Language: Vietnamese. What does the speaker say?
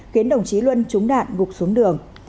khiến đồng chí luân trúng đạn gục xuống đường